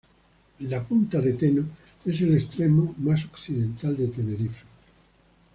La Punta de Teno es el extremo más occidental de Tenerife.